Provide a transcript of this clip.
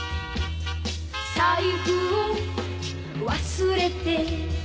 「財布を忘れて」